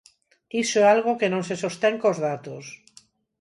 Iso é algo que non se sostén cos datos.